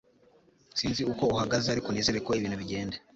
sinzi uko uhagaze, ariko nizere ko ibintu bigenda